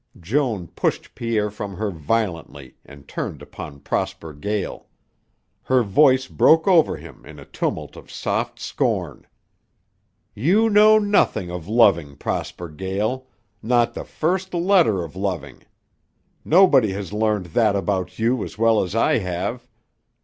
Joan pushed Pierre from her violently and turned upon Prosper Gael. Her voice broke over him in a tumult of soft scorn. "You know nothing of loving, Prosper Gael, not the first letter of loving. Nobody has learned that about you as well as I have.